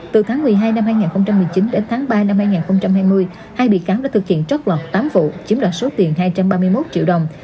từ tháng một mươi hai năm hai nghìn một mươi chín đến tháng ba năm hai nghìn hai mươi hai bị cáo đã thực hiện trót lọt tám vụ chiếm đoạt số tiền hai trăm ba mươi một triệu đồng